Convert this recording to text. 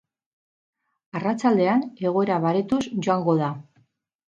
Arratsaldean egoera baretuz joango da.